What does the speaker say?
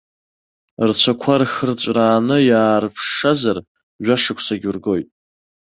Рцәақәа рхырҵәрааны иаарԥшшазар, жәашықәсагь ургоит.